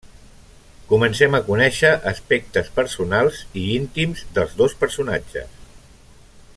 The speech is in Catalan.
Comencem a conèixer aspectes personals i íntims dels dos personatges.